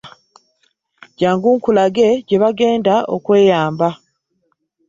Jangu nkulage gye bagenda okweyamba.